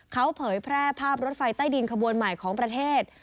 เขาเผยแพร่ภาพรถไฟใต้ดินขบวนใหม่ของประเทศ